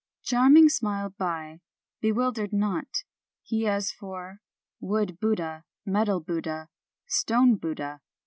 " Charming smile by bewildered not, he as for, wood Buddha, metal Buddha, stone Buddha